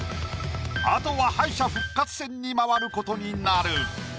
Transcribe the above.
あとは敗者復活戦に回ることになる。